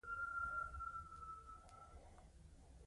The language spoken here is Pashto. او نور نو د جندول خاني په ما اړه لري.